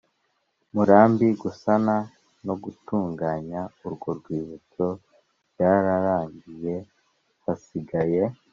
Murambi gusana no gutunganya urwo rwibutso byararangiye hasigaye